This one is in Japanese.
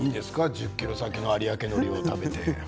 １０ｋｍ先の有明のりを食べて。